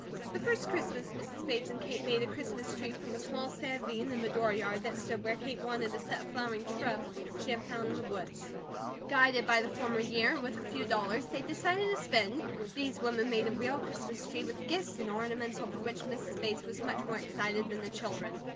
The first Christmas Mrs. Bates and Kate made a Christmas tree from a small savine in the dooryard that stood where Kate wanted to set a flowering shrub she had found in the woods. Guided by the former year, and with a few dollars they decided to spend, these women made a real Christmas tree, with gifts and ornaments, over which Mrs. Bates was much more excited than the children.